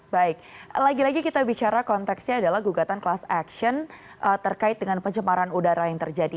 baik lagi lagi kita bicara konteksnya adalah gugatan class action terkait dengan pencemaran udara yang terjadi